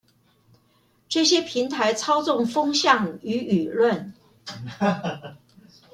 這些平台操縱風向與輿論